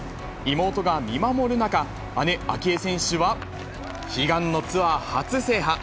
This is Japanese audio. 妹が見守る中、姉、明愛選手は悲願のツアー初制覇。